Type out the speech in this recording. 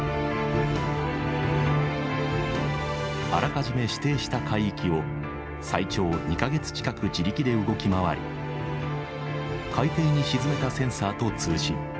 あらかじめ指定した海域を最長２か月近く自力で動き回り海底に沈めたセンサーと通信。